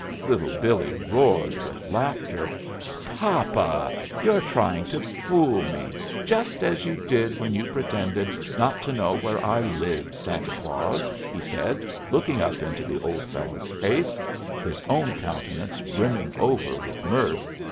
'" Little Billee roared with laughter. "Papa's trying to fool me, just as you did when you pretended not to know where I lived, Santa Claus," he said, looking up into the old fellow's face, his own countenance brimming over with mirth.